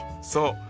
そう。